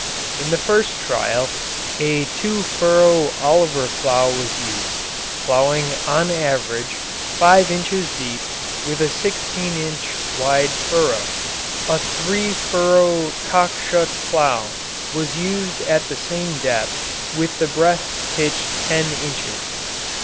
In the first trial, a 2 furrow Oliver plough was used, ploughing on an average 5 inches deep with a 16 inch wide furrow; a 3 furrow Cockshutt plough was also used at the same depth with the breast pitched 10 inches.